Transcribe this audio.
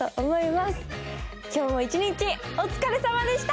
今日も一日お疲れさまでした！